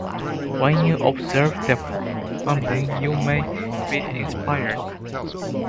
When you observe the findings, you may be inspired.